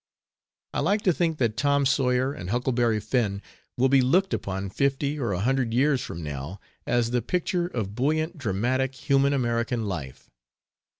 I like to think that "Tom Sawyer" and "Huckleberry Finn" will be looked upon, fifty or a hundred years from now, as the picture of buoyant, dramatic, human American life.